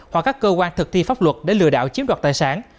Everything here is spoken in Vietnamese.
hoặc các cơ quan thực thi pháp luật để lừa đảo chiếm đoạt tài sản